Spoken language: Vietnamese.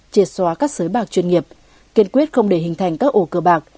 triệt xóa các sới bạc chuyên nghiệp kiên quyết không để hình thành các ổ cơ bạc